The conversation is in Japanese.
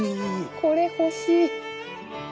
これ欲しい。